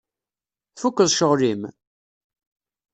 Tfukkeḍ ccɣel-im?